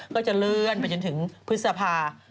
ก็จะเลื่อนไปจนถึงพฤษภา